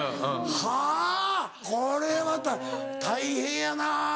はぁこれは大変やな。